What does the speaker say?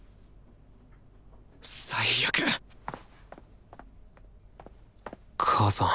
最悪母さん